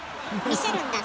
見せるんだ？